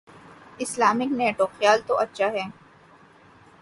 Islamic NATO: خیال تو اچھا ہے۔